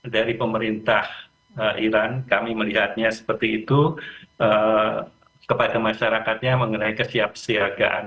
dari pemerintah iran kami melihatnya seperti itu kepada masyarakatnya mengenai kesiapsiagaan